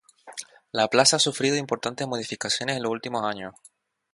La plaza ha sufrido importantes modificaciones en los últimos años.